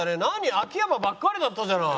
秋山ばっかりだったじゃない。